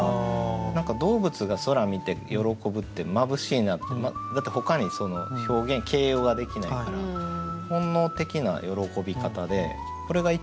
何か動物が空見て喜ぶって眩しいなってだってほかに表現形容ができないから本能的な喜び方でこれが一番喜んでるんじゃないかなと。